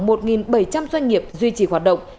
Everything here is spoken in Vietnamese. một bảy trăm linh doanh nghiệp duy trì hoạt động